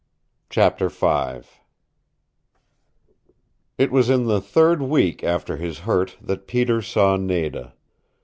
CHAPTER V It was in the third week after his hurt that Peter saw Nada.